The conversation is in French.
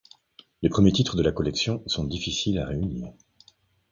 Les premiers titres de la collection sont difficiles à réunir.